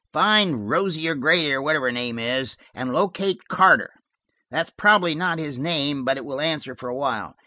Find Rosie O'Grady, or whatever her name is, and locate Carter. That's probably not his name, but it will answer for a while.